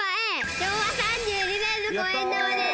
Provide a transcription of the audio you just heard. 昭和３２年の五円玉です。